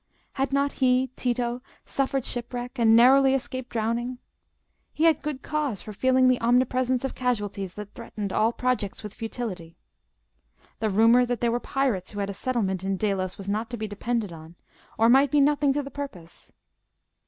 Had not he, Tito, suffered shipwreck, and narrowly escaped drowning? He had good cause for feeling the omnipresence of casualties that threatened all projects with futility. The rumour that there were pirates who had a settlement in Delos was not to be depended on, or might be nothing to the purpose.